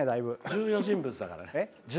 重要人物だから。